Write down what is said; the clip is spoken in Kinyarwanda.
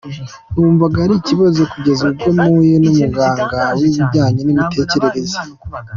Numvaga ari ikibazo kugeza ubwo mpuye n’umuganga w’ibijyanye n’imitekerereze.